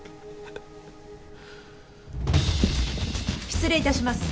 失礼いたします。